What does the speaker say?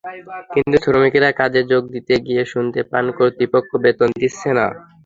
কিন্তু শ্রমিকেরা কাজে যোগ দিতে গিয়ে শুনতে পান কর্তৃপক্ষ বেতন দিচ্ছে না।